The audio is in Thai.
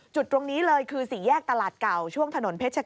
จุดตรงนี้เลยคือสี่แยกตลาดเก่าช่วงถนนเพชรเกษ